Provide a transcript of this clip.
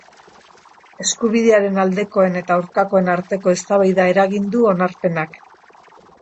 Eskubidearen aldekoen eta aurkakoen arteko eztabaida eragin du onarpenak.